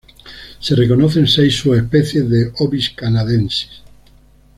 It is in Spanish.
Se reconocen seis subespecies de "Ovis canadensis".